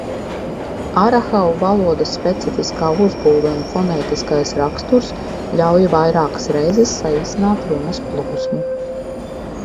Arahau valodas specifiskā uzbūve un fonētiskais raksturs ļauj vairākas reizes saīsināt runas plūsmu.